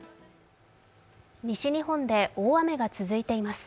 西日本で大雨が続いています。